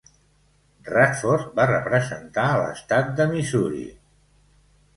Radford va representar l"estat de Missouri.